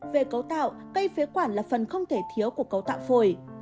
về cấu tạo cây phế quản là phần không thể thiếu của cấu tạo phổi